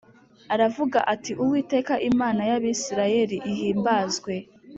Aravuga ati “Uwiteka Imana y’Abisirayeli ihimbazwe”